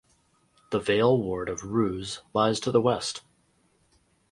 The Vale ward of Rhoose lies to the west.